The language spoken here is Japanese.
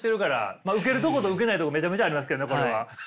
まあウケるとことウケないとこめちゃめちゃありますけどねこれは。